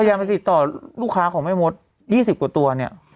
พยายามไปติดต่อลูกค้าของแม่มด๒๐กว่าตัวเนี่ย